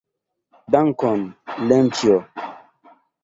Dankon, Lenĉjo.